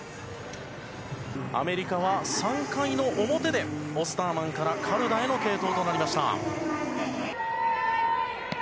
アメリカは３回の表でオスターマンからカルダへの継投となりました。